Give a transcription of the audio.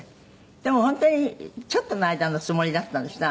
でも本当にちょっとの間のつもりだったんですってね